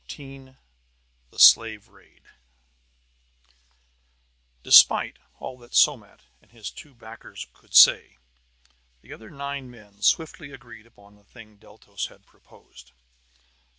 XIV THE SLAVE RAID Despite all that Somat and his two backers could say, the other nine men swiftly agreed upon the thing Deltos had proposed.